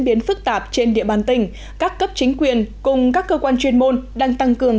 biến phức tạp trên địa bàn tỉnh các cấp chính quyền cùng các cơ quan chuyên môn đang tăng cường